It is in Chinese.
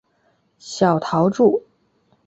小桃纻